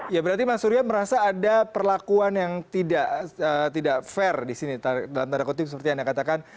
ya berarti mas surya merasa ada perlakuan yang tidak fair di sini dalam tanda kutip seperti anda katakan